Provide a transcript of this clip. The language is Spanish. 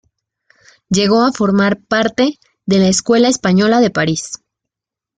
Llegó a formar parte de la Escuela Española de París.